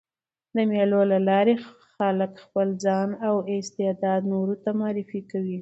د مېلو له لاري خلک خپل ځان او استعداد نورو ته معرفي کوي.